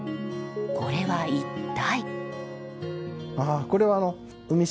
これは一体？